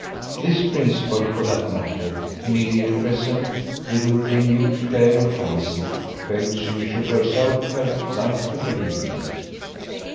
This principle, for that matter, Milly at present, with a renewed flare of fancy, felt she should herself have liked to believe in.